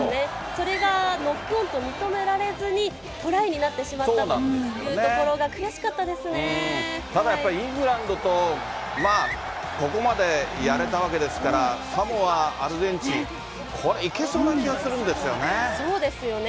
それがノックオンと認められずに、トライになってしまったというとただやっぱり、イングランドとまあ、ここまでやれたわけですから、サモア、アルゼンチン、これ、そうですよね。